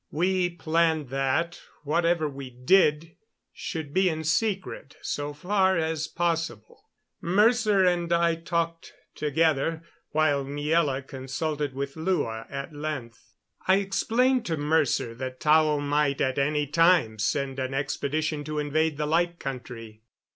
We planned that whatever we did should be in secret, so far as possible. Mercer and I talked together, while Miela consulted with Lua at length. I explained to Mercer that Tao might at any time send an expedition to invade the Light Country.